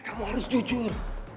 kamu harus jujur